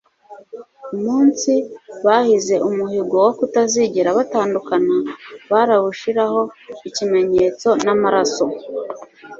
umunsi, bahize umuhigo wo kutazigera batandukana, barawushiraho ikimenyetso n'amaraso